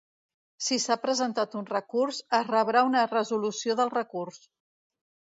Si s'ha presentat un recurs, es rebrà una resolució del recurs.